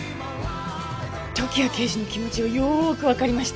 時矢刑事の気持ちはよくわかりました。